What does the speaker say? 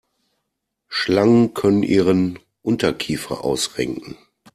Schlangen können ihren Unterkiefer ausrenken.